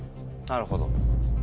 なるほど。